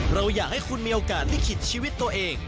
เราอยากให้คุณมีโอกาสลิขิตชีวิตตัวเอง